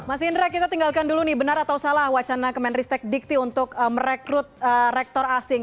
mas indra kita tinggalkan dulu nih benar atau salah wacana kemenristek dikti untuk merekrut rektor asing